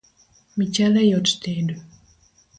Michele yot tedo